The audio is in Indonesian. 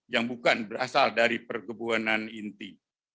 yang bukan berasal dari perkebunan inti